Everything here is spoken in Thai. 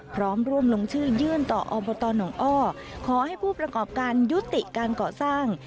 พร้อมร่วมลงชื่อยื่นต่ออบตหนองอ้อขอให้ผู้ประกอบการยุติการก่อสร้าง